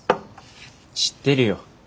知ってるよ。